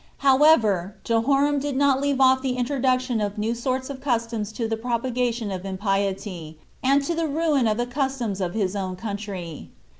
However, Jehoram did not leave off the introduction of new sorts of customs to the propagation of impiety, and to the ruin of the customs of his own country.